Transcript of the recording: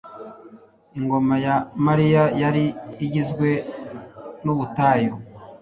Ingoma ya Mali yari igizwe nubutayu